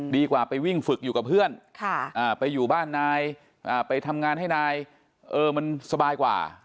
ดีกว่าไปวิ่งฝึกอยู่กับเพื่อนไปอยู่บ้านนายไปทำงานให้นายเออมันสบายกว่า